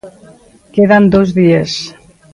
Quedan dous días.